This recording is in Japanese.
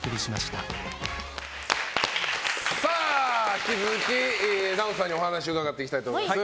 引き続き、ＮＡＯＴＯさんにお話を伺っていきたいと思います。